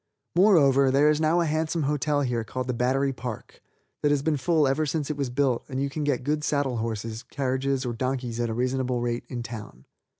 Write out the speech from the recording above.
Moreover, there is now a handsome hotel here called the Battery Park that has been full ever since it was built and you can get good saddle horses, carriages or donkeys at reasonable rates in town.